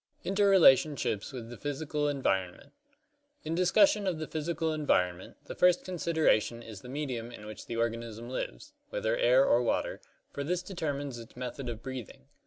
Interrelationships with the Physical Environment In discussion of the physical environment, the first consideration is the medium in which the organism lives, whether air or water, CLASSIFICATION OF ORGANISMS 43 for this determines its method of breathing.